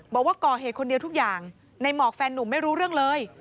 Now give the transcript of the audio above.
บอกว่าก่อเหตุคนเดียวทุกอย่างในหมอกแฟนนุ่มไม่รู้เรื่องเลย